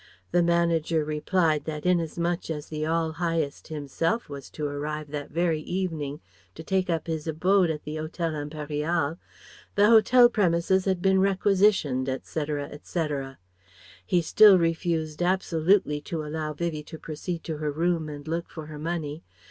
The manager replied that inasmuch as the All Highest himself was to arrive that very evening to take up his abode at the Hotel Impérial, the hotel premises had been requisitioned, etc., etc. He still refused absolutely to allow Vivie to proceed to her room and look for her money.